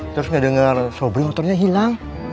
terus ngedenger sobri motornya hilang